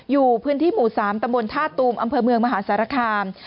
อยู่พื้นที่หมู่๓ตำบลท่าตูมอำเภอเมืองมหาสารคาม